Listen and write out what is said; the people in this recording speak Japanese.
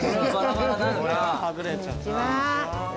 これははぐれちゃうな。